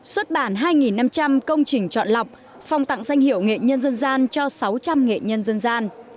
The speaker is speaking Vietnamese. xuất bản hai năm trăm linh công trình chọn lọc phòng tặng danh hiệu nghệ nhân dân gian cho sáu trăm linh nghệ nhân dân gian